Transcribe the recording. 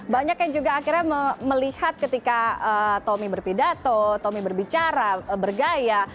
banyak yang juga akhirnya melihat ketika tommy berpidato tommy berbicara bergaya